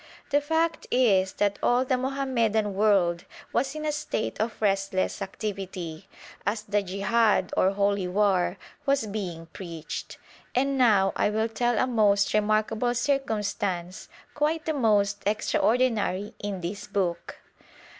The fact is that all the Mohammedan world was in a state of restless activity, as the jehad, or holy war, was being preached. And now I will tell a most remarkable circumstance, quite the most extraordinary in this book.